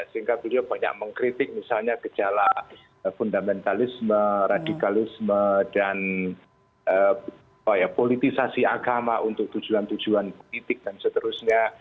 sehingga beliau banyak mengkritik misalnya gejala fundamentalisme radikalisme dan politisasi agama untuk tujuan tujuan politik dan seterusnya